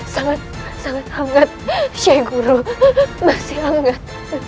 sangat sangat hangat sheikh guru masih hangat